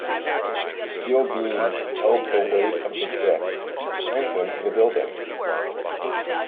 The steel beams held the weight of the bricks and strengthened the building.